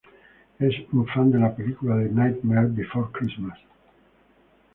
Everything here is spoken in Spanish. Es un fan de la película The Nightmare Before Christmas.